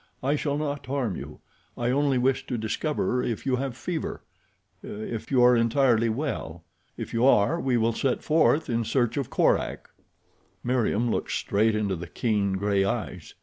"I shall not harm you. I only wish to discover if you have fever—if you are entirely well. If you are we will set forth in search of Korak." Meriem looked straight into the keen gray eyes.